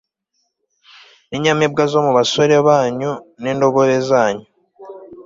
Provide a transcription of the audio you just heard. n'inyamibwa zo mu basore banyu, n'indogobe zanyu